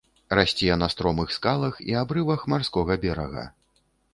Расце на стромых скалах і абрывах марскога берага.